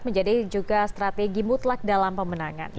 menjadi juga strategi mutlak dalam pemenangan